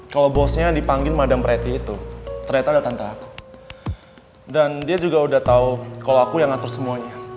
kalo aku yang ngatur semuanya